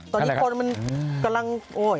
ตอนนี้มันกำลัง